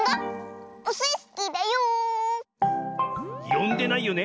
よんでないよね。